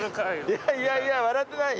いやいやいや笑ってない？